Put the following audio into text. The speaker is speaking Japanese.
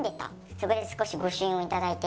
そこで少し御朱印を頂いて。